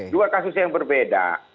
dua kasus yang berbeda